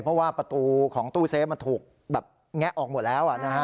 เพราะว่าประตูของตู้เซฟมันถูกแบบแงะออกหมดแล้วนะฮะ